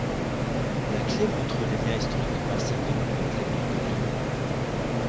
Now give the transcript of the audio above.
La clef montre les liens historiques de Marcigny avec l'abbaye de Cluny.